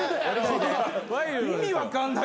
意味分かんないですよ